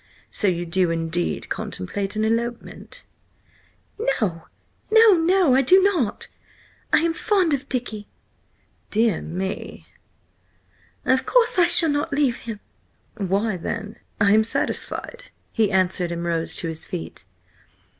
So you do indeed contemplate an elopement?" "No, no, no! I do not! I am fond of Dicky!" "Dear me!" "Of course I shall not leave him!" "Why then, I am satisfied," he answered, and rose to his feet.